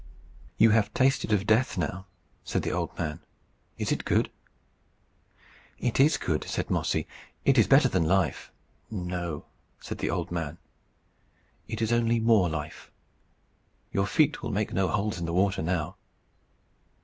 "You have tasted of death now," said the old man. "Is it good?" "It is good," said Mossy. "It is better than life." "No, said the old man: it is only more life. Your feet will make no holes in the water now."